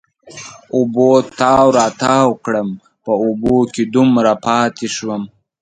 اوبو تاو را تاو کړم، په اوبو کې دومره پاتې شوم.